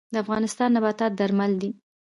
د افغانستان نباتات درمل دي